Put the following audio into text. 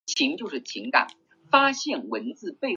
车塘村吴氏宗祠位于浙江省衢州市衢江区云溪乡。